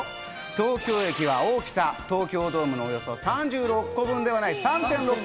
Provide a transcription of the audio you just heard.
東京駅は大きさ、東京ドームのおよそ３．６個分の広さ。